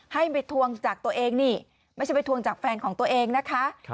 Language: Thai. ให้ไปทวงจากตัวเองนี่ไม่ใช่ไปทวงจากแฟนของตัวเองนะคะ